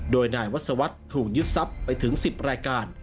โดยนายวัศวรรษถูกยึดทรัพย์ไปถึง๑๐รายการ